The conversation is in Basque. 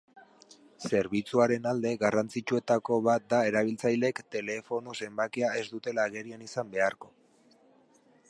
Zerbitzuaren alde garrantzitsuetako bat da erabiltzaileek telefono zenbakia ez dutela agerian izan beharko.